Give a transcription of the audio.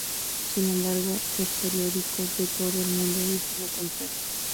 Sin embargo, los periódicos de todo el mundo dicen lo contrario.